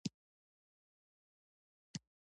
منظور دې له دې جهل و خرافاتو څه دی؟ ایا دا دومره خطرناک دي؟